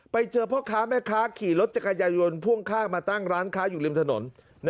ไปเจอพ่อค้าแม่ค้าขี่รถจักรยายนพ่วงข้างมาตั้งร้านค้าอยู่ริมถนน